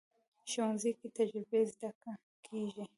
ښوونځی کې تجربې زده کېږي